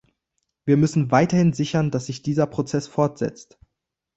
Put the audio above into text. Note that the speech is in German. Wir müssen weiterhin sichern, dass sich dieser Prozess fortsetzt.